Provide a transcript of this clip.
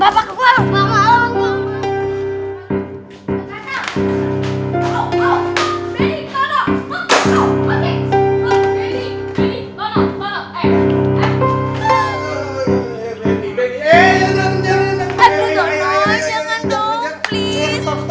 jangan lu tuh